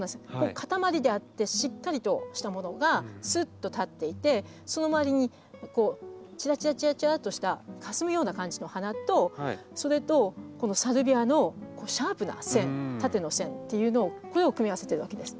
固まりであってしっかりとしたものがすっと立っていてその周りにこうチラチラチラチラっとしたかすむような感じの花とそれとこのサルビアのこのシャープな線縦の線っていうのをこれを組み合わせてるわけです。